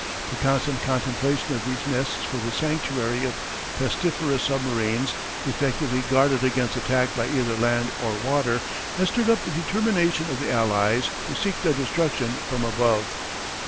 The constant contemplation of those nests for the sanctuary of pestiferous submarines, effectively guarded against attack by either land or water, has stirred up the determination of the Allies to seek their destruction from above.